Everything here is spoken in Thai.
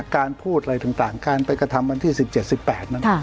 การพูดอะไรต่างการไปกระทำวันที่๑๗๑๘นั้น